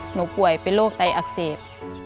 ป่วยเป็นโรคไตอักเสบ